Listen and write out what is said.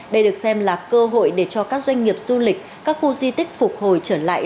đây được xem là cơ hội để cho các doanh nghiệp du lịch các khu di tích phục hồi trở lại